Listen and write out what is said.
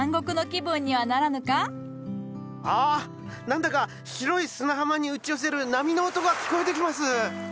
何だか白い砂浜に打ち寄せる波の音が聞こえてきます。